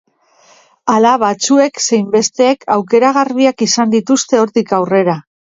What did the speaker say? Hala, batzuek zein besteek aukera garbiak izan dituzte hortik aurrera.